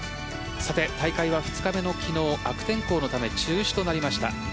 大会が２日目の昨日悪天候のため中止となりました。